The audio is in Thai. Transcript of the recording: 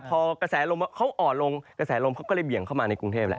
พอกระแสลมเขาอ่อนลงกระแสลมเขาก็เลยเบี่ยงเข้ามาในกรุงเทพแหละ